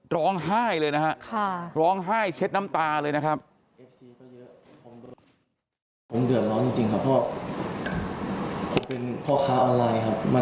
ร้องไห้เลยนะฮะร้องไห้เช็ดน้ำตาเลยนะครับ